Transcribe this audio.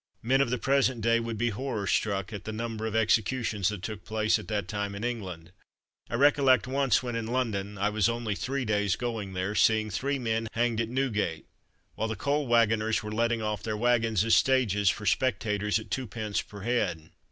Men of the present day would be horror struck at the number of executions that took place at that time in England. I recollect once when in London (I was only three days going there) seeing three men hanging at Newgate, while the coal waggoners were letting off their waggons as stages for spectators at twopence per head.